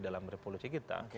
dalam revolusi kita